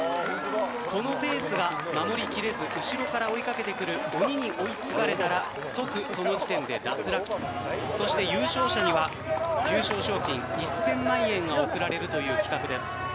このペースが守りきれず後ろから追いかけてくる鬼に追いつかれたら即その時点で脱落とそして優勝者には優勝賞金１０００万円が贈られるという企画です。